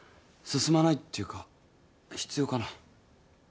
進まないっていうか必要かな？